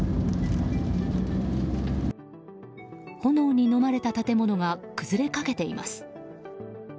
炎にのまれた建物が崩れかけています。